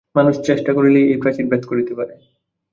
মানুষ চেষ্টা করিলেই এই প্রাচীর ভেদ করিতে পারে।